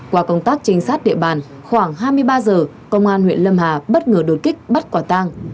qua công tác trinh sát địa bàn khoảng hai mươi ba giờ công an huyện lâm hà bất ngờ đột kích bắt quả tang